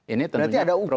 ini tentunya problem